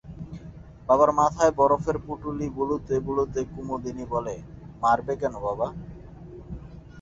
বাবার মাথায় বরফের পুঁটুলি বুলোতে বুলোতে কুমুদিনী বলে, মারবে কেন বাবা?